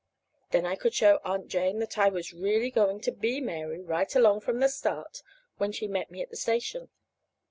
Then I could show Aunt Jane that I was really going to be Mary, right along from the start, when she met me at the station.